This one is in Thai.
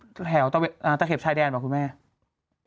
แถวตะเข็บชายแดนป่ะคุณแม่